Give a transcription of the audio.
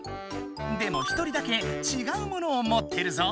でも１人だけちがうものを持ってるぞ。